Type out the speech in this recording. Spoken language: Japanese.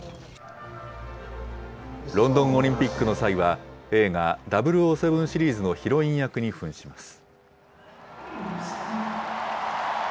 ロンドンオリンピックの際は、映画、００７シリーズのヒロイン役に扮します。